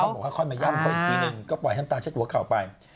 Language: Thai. เขาบอกว่าค่อยมาย่ำเขาอีกทีหนึ่งก็ปล่อยทำตาเช็ดหัวเขาออกไป